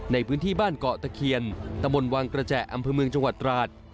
ในพื้นที่บ้านเกาะตะเคียนตะบนวังกระแจอำเภอเมืองจังหวัดตราด